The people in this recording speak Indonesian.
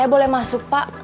saya boleh masuk pak